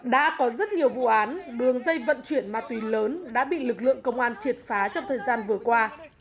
đã có rất nhiều vụ án đường dây vận chuyển ma túy lớn đã bị lực lượng công an triệt phá trong thời gian vừa qua